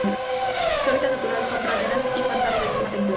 Su hábitat natural son: praderas y pantanos de clima templado.